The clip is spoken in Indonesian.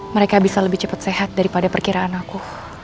mereka bisa lebih cepat sehat daripada perkiraan aku